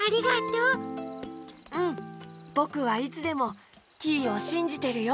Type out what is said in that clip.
ぼくはいつでもキイをしんじてるよ！